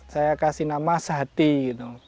saya kasih nama sehati gitu